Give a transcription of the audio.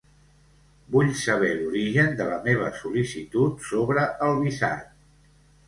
Vull saber l'origen de la meva sol·licitut sobre el visat.